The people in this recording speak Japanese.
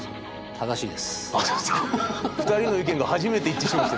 正しいです。